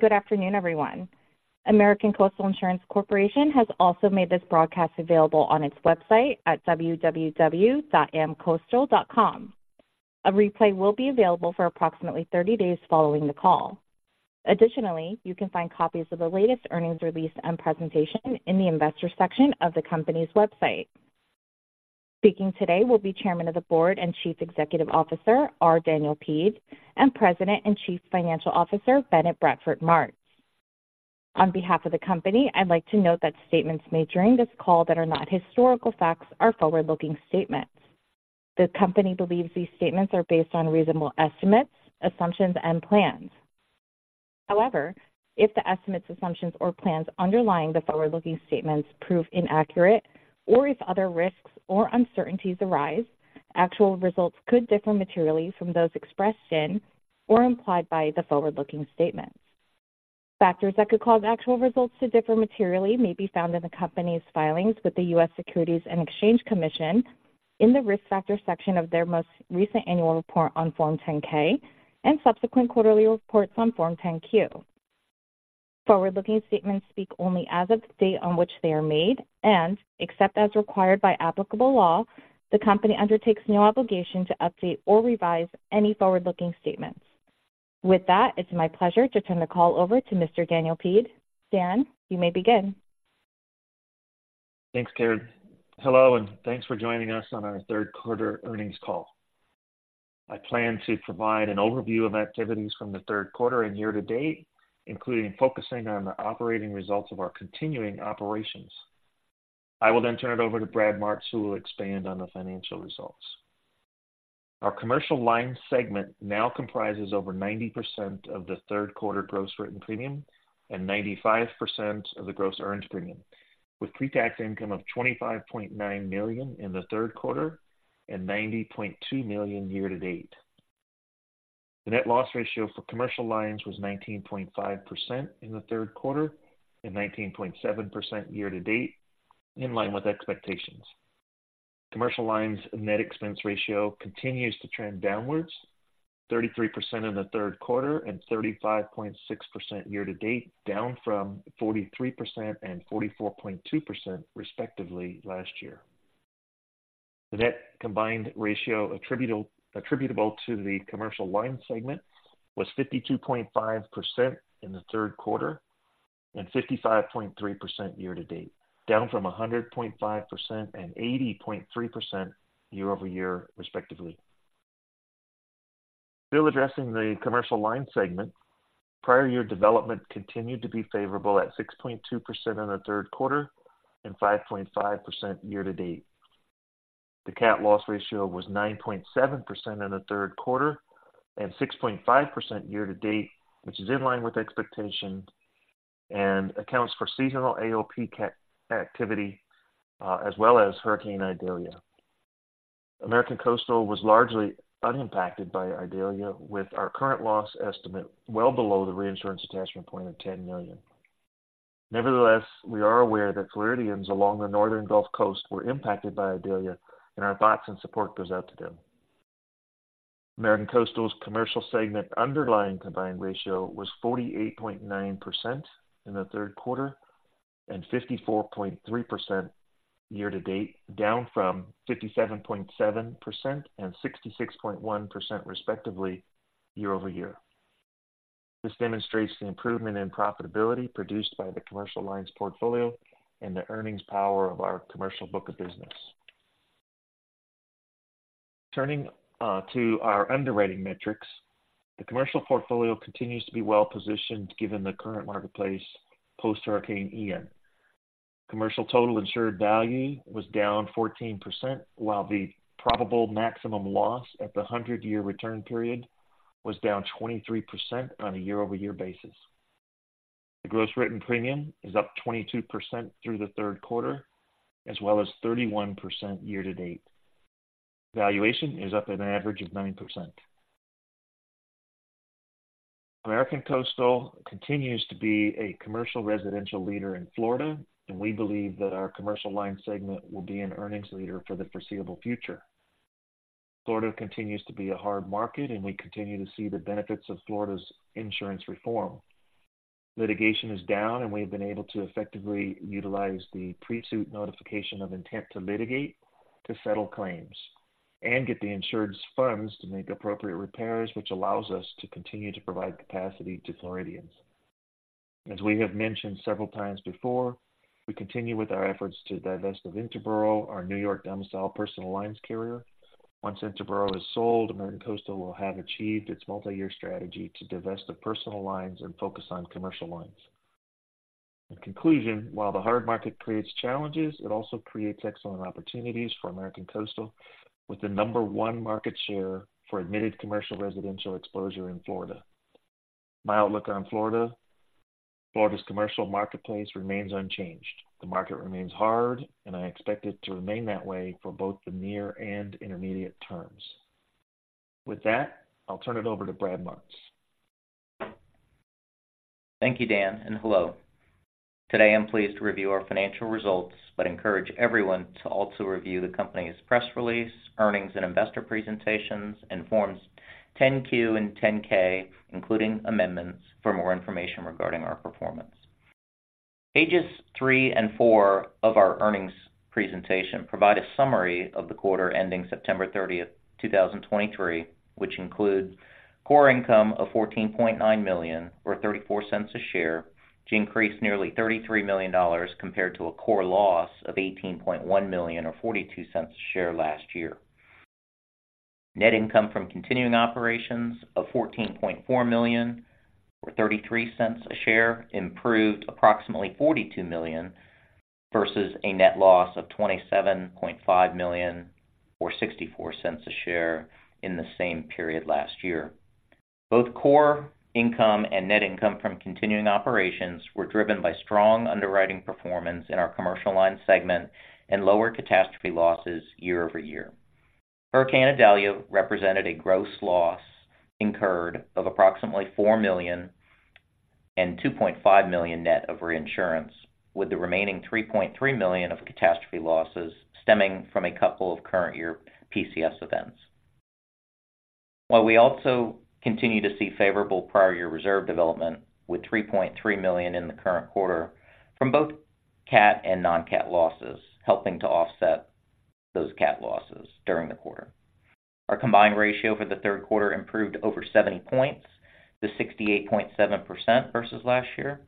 Good afternoon, everyone. American Coastal Insurance Corporation has also made this broadcast available on its website at www.amcoastal.com. A replay will be available for approximately 30 days following the call. Additionally, you can find copies of the latest earnings release and presentation in the Investors section of the company's website. Speaking today will be Chairman of the Board and Chief Executive Officer, R. Daniel Peed, and President and Chief Financial Officer, Bennett Bradford Martz. On behalf of the company, I'd like to note that statements made during this call that are not historical facts are forward-looking statements. The company believes these statements are based on reasonable estimates, assumptions, and plans. However, if the estimates, assumptions, or plans underlying the forward-looking statements prove inaccurate, or if other risks or uncertainties arise, actual results could differ materially from those expressed in or implied by the forward-looking statements. Factors that could cause actual results to differ materially may be found in the company's filings with the U.S. Securities and Exchange Commission in the Risk Factors section of their most recent annual report on Form 10-K, and subsequent quarterly reports on Form 10-Q. Forward-looking statements speak only as of the date on which they are made, and except as required by applicable law, the company undertakes no obligation to update or revise any forward-looking statements. With that, it's my pleasure to turn the call over to Mr. Daniel Peed. Dan, you may begin. Thanks, Karin. Hello, and thanks for joining us on our third quarter earnings call. I plan to provide an overview of activities from the third quarter and year to date, including focusing on the operating results of our continuing operations. I will then turn it over to Brad Martz, who will expand on the financial results. Our Commercial Lines segment now comprises over 90% of the third quarter gross written premium and 95% of the gross earned premium, with pre-tax income of $25.9 million in the third quarter and $90.2 million year to date. The net loss ratio for commercial lines was 19.5% in the third quarter and 19.7% year to date, in line with expectations. Commercial Lines net expense ratio continues to trend downward, 33% in the third quarter and 35.6% year to date, down from 43% and 44.2%, respectively, last year. The net combined ratio attributable to the Commercial Lines segment was 52.5% in the third quarter and 55.3% year to date, down from 100.5% and 80.3% year-over-year, respectively. Still addressing the Commercial Lines segment, prior year development continued to be favorable at 6.2% in the third quarter and 5.5% year to date. The cat loss ratio was 9.7% in the third quarter and 6.5% year to date, which is in line with expectations and accounts for seasonal AOP, cat activity, as well as Hurricane Idalia. American Coastal was largely unimpacted by Idalia, with our current loss estimate well below the reinsurance attachment point of $10 million. Nevertheless, we are aware that Floridians along the northern Gulf Coast were impacted by Idalia, and our thoughts and support goes out to them. American Coastal's commercial segment underlying combined ratio was 48.9% in the third quarter and 54.3% year to date, down from 57.7% and 66.1%, respectively, year-over-year. This demonstrates the improvement in profitability produced by the commercial lines portfolio and the earnings power of our commercial book of business. Turning to our underwriting metrics, the commercial portfolio continues to be well-positioned given the current marketplace post-Hurricane Ian. Commercial total insured value was down 14%, while the probable maximum loss at the 100-year return period was down 23% on a year-over-year basis. The gross written premium is up 22% through the third quarter, as well as 31% year to date. Valuation is up an average of 9%. American Coastal continues to be a commercial residential leader in Florida, and we believe that our commercial lines segment will be an earnings leader for the foreseeable future. Florida continues to be a hard market, and we continue to see the benefits of Florida's insurance reform. Litigation is down, and we've been able to effectively utilize the pre-suit notification of intent to litigate, to settle claims and get the insured's funds to make appropriate repairs, which allows us to continue to provide capacity to Floridians. As we have mentioned several times before, we continue with our efforts to divest of Interboro, our New York-domiciled personal lines carrier. Once Interboro is sold, American Coastal will have achieved its multi-year strategy to divest of personal lines and focus on commercial lines. In conclusion, while the hard market creates challenges, it also creates excellent opportunities for American Coastal, with the number one market share for admitted commercial residential exposure in Florida. My outlook on Florida, Florida's commercial marketplace remains unchanged. The market remains hard, and I expect it to remain that way for both the near and intermediate terms. With that, I'll turn it over to Brad Martz. Thank you, Dan, and hello. ...Today, I'm pleased to review our financial results, but encourage everyone to also review the company's press release, earnings and investor presentations, and Forms 10-Q and 10-K, including amendments, for more information regarding our performance. Pages three and four of our earnings presentation provide a summary of the quarter ending September 30, 2023, which includes core income of $14.9 million, or $0.34 per share, which increased nearly $33 million compared to a core loss of $18.1 million, or $0.42 per share last year. Net income from continuing operations of $14.4 million, or $0.33 per share, improved approximately $42 million versus a net loss of $27.5 million, or $0.64 per share, in the same period last year. Both core income and net income from continuing operations were driven by strong underwriting performance in our commercial line segment and lower catastrophe losses year-over-year. Hurricane Idalia represented a gross loss incurred of approximately $4 million and $2.5 million net of reinsurance, with the remaining $3.3 million of catastrophe losses stemming from a couple of current year PCS events. While we also continue to see favorable prior year reserve development, with $3.3 million in the current quarter from both cat and non-cat losses, helping to offset those cat losses during the quarter. Our combined ratio for the third quarter improved over 70 points to 68.7% versus last year.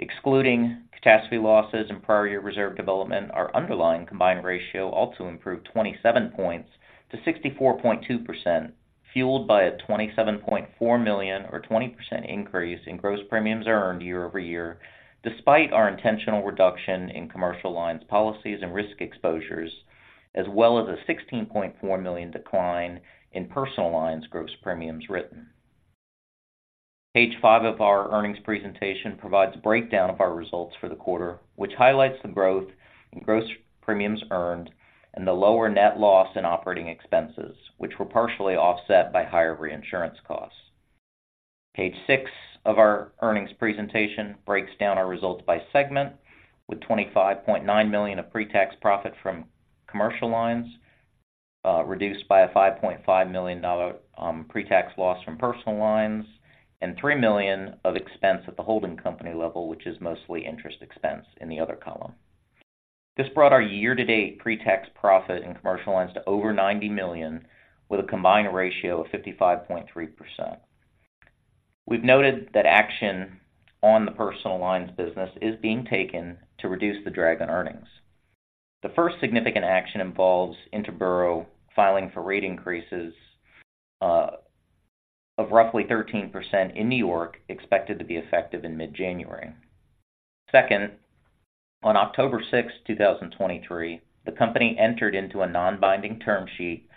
Excluding catastrophe losses and prior year reserve development, our underlying combined ratio also improved 27 points to 64.2%, fueled by a $27.4 million or 20% increase in gross premiums earned year-over-year, despite our intentional reduction in commercial lines, policies and risk exposures, as well as a $16.4 million decline in personal lines gross premiums written. Page five of our earnings presentation provides a breakdown of our results for the quarter, which highlights the growth in gross premiums earned and the lower net loss in operating expenses, which were partially offset by higher reinsurance costs. Page six of our earnings presentation breaks down our results by segment, with $25.9 million of pretax profit from commercial lines, reduced by a $5.5 million pretax loss from personal lines and $3 million of expense at the holding company level, which is mostly interest expense in the other column. This brought our year-to-date pretax profit in commercial lines to over $90 million, with a combined ratio of 55.3%. We've noted that action on the personal lines business is being taken to reduce the drag on earnings. The first significant action involves Interboro filing for rate increases of roughly 13% in New York, expected to be effective in mid-January. Second, on October 6, 2023, the Company entered into a non-binding term sheet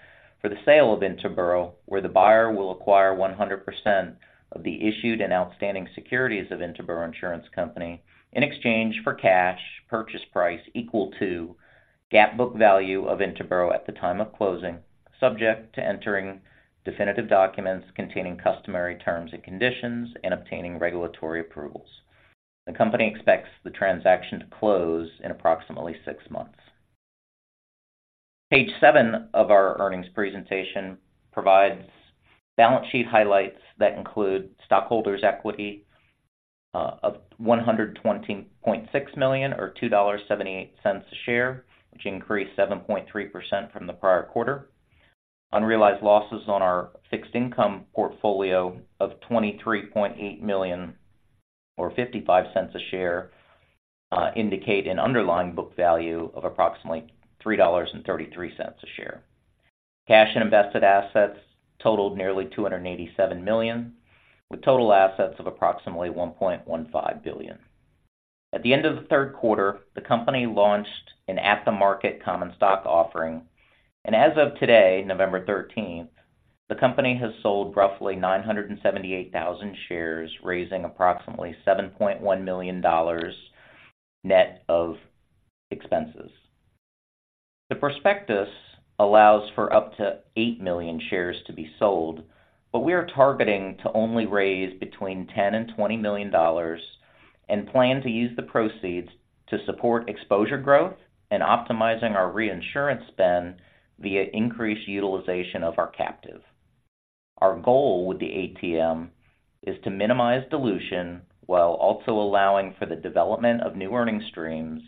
for the sale of Interboro, where the buyer will acquire 100% of the issued and outstanding securities of Interboro Insurance Company in exchange for cash purchase price equal to GAAP book value of Interboro at the time of closing, subject to entering definitive documents containing customary terms and conditions and obtaining regulatory approvals. The Company expects the transaction to close in approximately six months. Page seven of our earnings presentation provides balance sheet highlights that include stockholders' equity of $120.6 million, or $2.78 a share, which increased 7.3% from the prior quarter. Unrealized losses on our fixed income portfolio of $23.8 million, or $0.55 a share, indicate an underlying book value of approximately $3.33 a share. Cash and invested assets totaled nearly $287 million, with total assets of approximately $1.15 billion. At the end of the third quarter, the Company launched an at-the-market common stock offering, and as of today, November 13, the Company has sold roughly 978,000 shares, raising approximately $7.1 million net of expenses. The prospectus allows for up to 8 million shares to be sold, but we are targeting to only raise between $10 million and $20 million, and plan to use the proceeds to support exposure growth and optimizing our reinsurance spend via increased utilization of our captive. Our goal with the ATM is to minimize dilution while also allowing for the development of new earning streams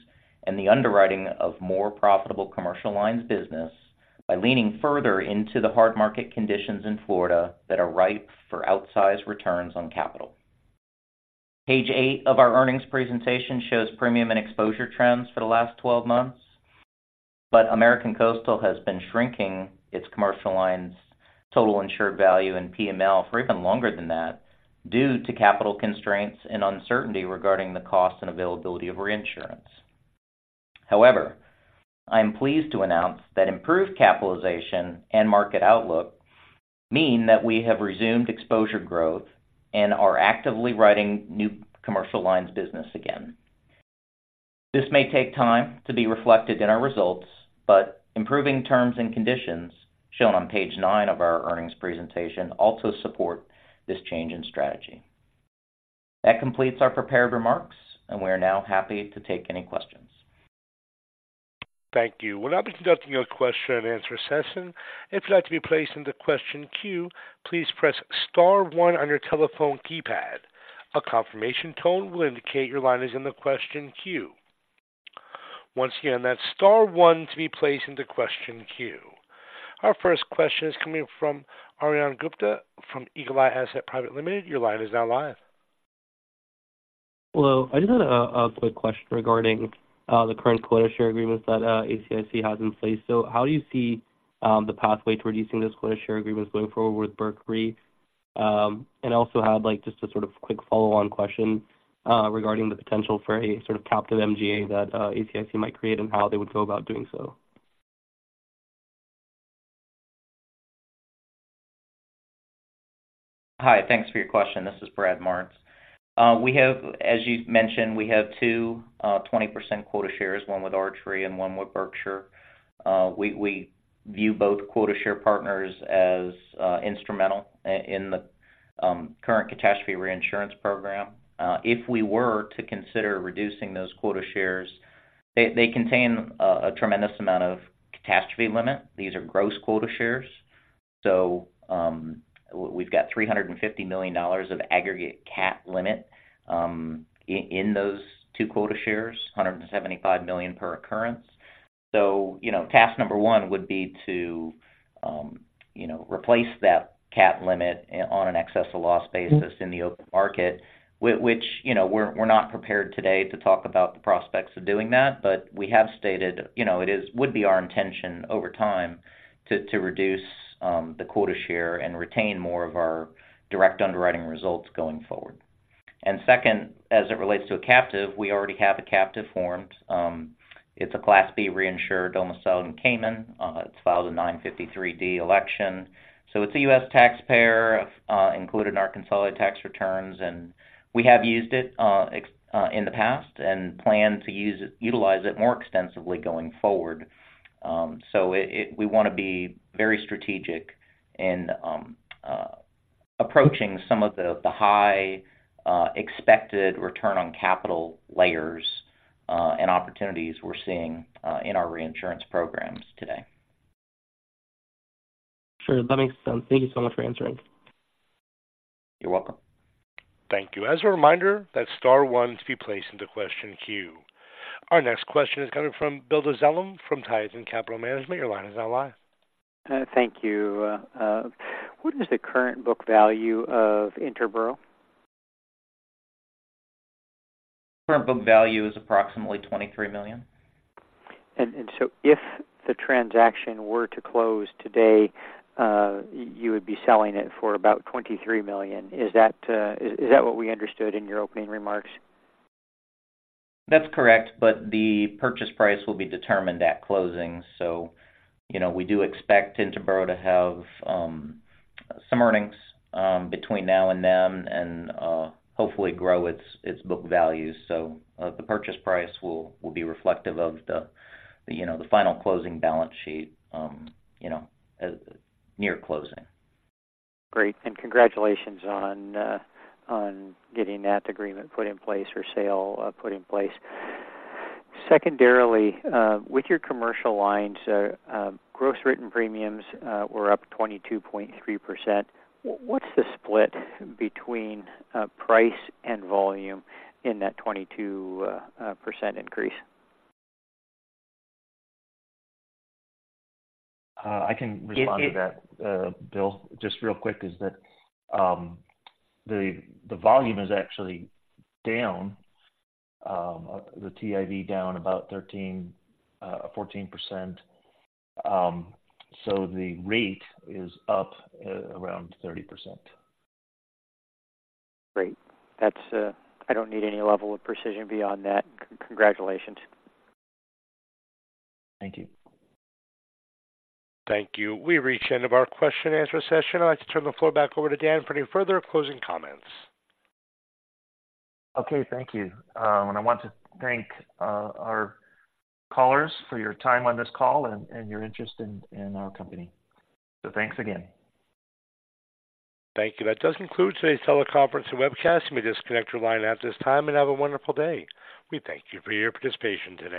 and the underwriting of more profitable commercial lines business by leaning further into the hard market conditions in Florida that are ripe for outsized returns on capital. Page eight of our earnings presentation shows premium and exposure trends for the last 12 months. But American Coastal has been shrinking its commercial lines' total insured value and P&L for even longer than that, due to capital constraints and uncertainty regarding the cost and availability of reinsurance. However, I am pleased to announce that improved capitalization and market outlook mean that we have resumed exposure growth and are actively writing new commercial lines business again. This may take time to be reflected in our results, but improving terms and conditions shown on page nine of our earnings presentation also support this change in strategy. That completes our prepared remarks, and we are now happy to take any questions. Thank you. We'll now be conducting a question-and-answer session. If you'd like to be placed in the question queue, please press star one on your telephone keypad. A confirmation tone will indicate your line is in the question queue. Once again, that's star one to be placed into question queue. Our first question is coming from Aryan Gupta from Eagle Eye Asset Private Limited. Your line is now live. Hello, I just had a quick question regarding the current quota share agreements that ACIC has in place. So how do you see the pathway to reducing those quota share agreements going forward with Berkshire? And also have, like, just a sort of quick follow-on question regarding the potential for any sort of captive MGA that ACIC might create and how they would go about doing so. Hi, thanks for your question. This is Brad Martz. We have—as you mentioned, we have two 20% quota shares, one with Arch Re and one with Berkshire. We view both quota share partners as instrumental in the current catastrophe reinsurance program. If we were to consider reducing those quota shares, they contain a tremendous amount of catastrophe limit. These are gross quota shares. So, we've got $350 million of aggregate cat limit in those two quota shares, $175 million per occurrence. So, you know, task number one would be to replace that cat limit on an excess of loss basis in the open market, which, you know, we're not prepared today to talk about the prospects of doing that, but we have stated, you know, it would be our intention over time to reduce the quota share and retain more of our direct underwriting results going forward. And second, as it relates to a captive, we already have a captive formed. It's a Class B reinsurer domiciled in Cayman. It's filed a 953(d) election. So it's a U.S. taxpayer, included in our consolidated tax returns, and we have used it in the past and plan to utilize it more extensively going forward. So we want to be very strategic in approaching some of the high expected return on capital layers and opportunities we're seeing in our reinsurance programs today. Sure, that makes sense. Thank you so much for answering. You're welcome. Thank you. As a reminder, that's star one to be placed into question queue. Our next question is coming from Bill Dezellem from Tieton Capital Management. Your line is now live. Thank you. What is the current book value of Interboro? Current book value is approximately $23 million. So if the transaction were to close today, you would be selling it for about $23 million. Is that what we understood in your opening remarks? That's correct, but the purchase price will be determined at closing. So, you know, we do expect Interboro to have some earnings between now and then and hopefully grow its book value. So, the purchase price will be reflective of the, you know, the final closing balance sheet, you know, near closing. Great, and congratulations on getting that agreement put in place or sale put in place. Secondarily, with your commercial lines, gross written premiums were up 22.3%. What's the split between price and volume in that 22% increase? I can respond to that, Bill, just real quick, the volume is actually down, the TIV down about 13-14%. So the rate is up, around 30%. Great. That's, I don't need any level of precision beyond that. Congratulations. Thank you. Thank you. We've reached the end of our question and answer session. I'd like to turn the floor back over to Dan for any further closing comments. Okay, thank you. I want to thank our callers for your time on this call and your interest in our company. Thanks again. Thank you. That does conclude today's teleconference and webcast. You may disconnect your line at this time, and have a wonderful day. We thank you for your participation today.